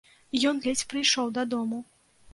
Ён ледзь прыйшоў дадому.